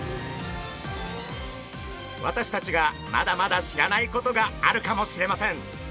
私たちがまだまだ知らないことがあるかもしれません。